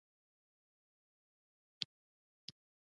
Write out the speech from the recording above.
کور تولیدات د اسیايي تولیداتو په مقابل کې تقویه شول.